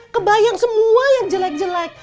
kebayang semua yang jelek jelek